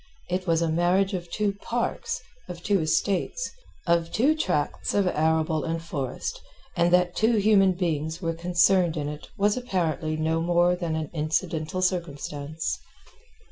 It was a marriage of two parks, of two estates, of two tracts of arable and forest, and that two human beings were concerned in it was apparently no more than an incidental circumstance.